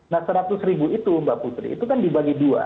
nah seratus ribu itu mbak putri itu kan dibagi dua